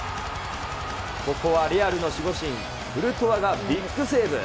ここはレアルの守護神、がビッグセーブ。